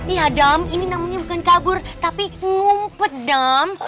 iya dam ini namanya bukan kabur tapi ngumpet dam